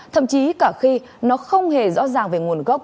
thậm chí cả khi nó không hề rõ ràng về nguồn gốc